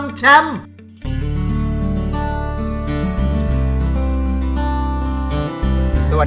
โชคชะตาโชคชะตา